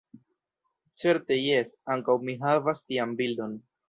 Certe jes, ankaŭ mi havas tian bildon.